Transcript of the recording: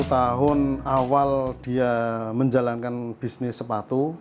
sepuluh tahun awal dia menjalankan bisnis sepatu